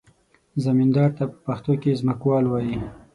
زمیندار ته په پښتو کې ځمکوال وایي.